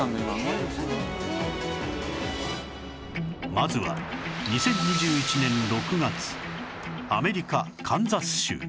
まずは２０２１年６月アメリカカンザス州